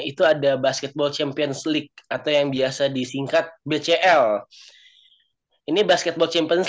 itu ada basketball champions league atau yang biasa disingkat bcl ini basketball champions